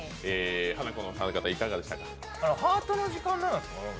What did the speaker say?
ハートの時間なんなんですか？